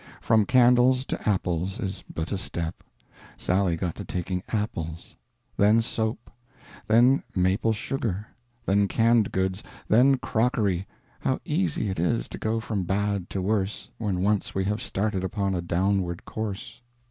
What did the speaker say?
From candles to apples is but a step: Sally got to taking apples; then soap; then maple sugar; then canned goods; then crockery. How easy it is to go from bad to worse, when once we have started upon a downward course!